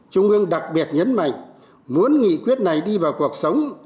trung ương đặc biệt nhấn mạnh muốn nghị quyết này đi vào cuộc sống